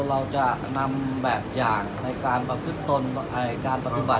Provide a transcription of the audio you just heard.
เพราะว่าเค้าเราถือหลักคุณค่ะเวลาต่อไว้ตลอดในการทำงาน